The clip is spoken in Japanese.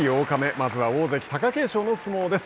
まずは大関・貴景勝の相撲です。